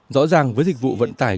rõ ràng với dịch vụ vận tải